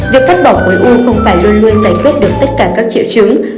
việc cắt bỏ khối u không phải luôn luôn giải quyết được tất cả các triệu chứng